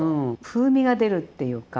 風味が出るっていうか。